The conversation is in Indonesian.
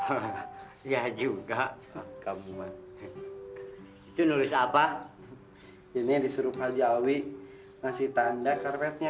eleester nulis apa ini disuruh haji alwi masih tanda karetnya